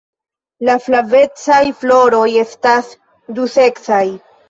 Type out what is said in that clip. La flavecaj floroj estas duseksaj.